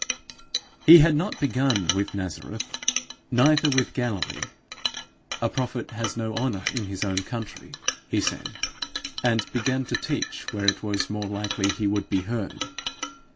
He had not begun with Nazareth, neither with Galilee. 'A prophet has no honour in his own country,' he said, and began to teach where it was more likely he would be heard.